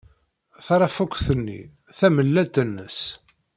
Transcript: Tarafukt-nni tamellalt nnes.